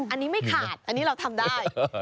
อันนี้ไม่ขาดอันนี้เราทำได้